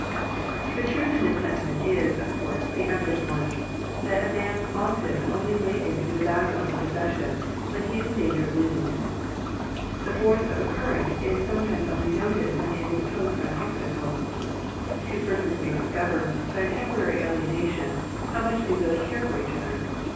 The truth in this sentiment is, of course, the evident one, that a man often only wakens to the value of a possession when he is in danger of losing it. The force of a current is sometimes only noted when it is opposed by an obstacle. Two per sons may discover, by a temporary alien i66 Digitized by VjOOQIC THE RENEWING OF FRIENDSHIP ation, how much they really care for each other.